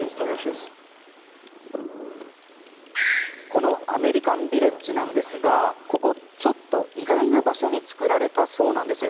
このアメリカンビレッジなんですがここ、ちょっと意外な場所につくられたそうなんです。